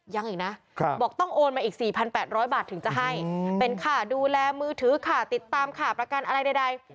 ยังอีกนะบอกต้องโอนมาอีก๔๘๐๐บาทถึงจะให้เป็นค่าดูแลมือถือค่ะติดตามค่าประกันอะไรใด